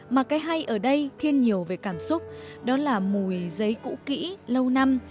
mà cái hay ở đây thiên nhiều về cảm xúc đó là mùi giấy cũ kỹ lâu năm